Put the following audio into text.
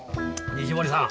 西森さん